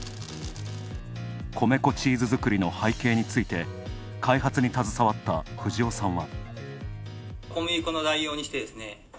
米粉チーズ作りの背景について開発に携わった藤尾さんは。